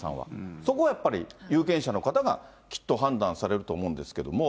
そこはやっぱり、有権者の方がきっと判断されると思うんですけれども。